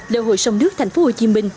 lễ hội sông nước thành phố hồ chí minh